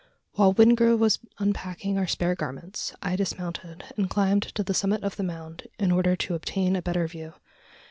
While Wingrove was unpacking our spare garments, I dismounted, and climbed to the summit of the mound in order to obtain a better view.